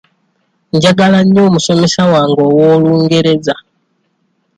Njagala nnyo omusomesa wange ow'Olungereza.